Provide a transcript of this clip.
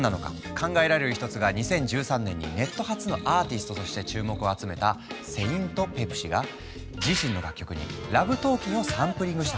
考えられる一つが２０１３年にネット発のアーティストとして注目を集めたセイント・ペプシが自身の楽曲に「ＬＯＶＥＴＡＬＫＩＮ’」をサンプリングしたこと。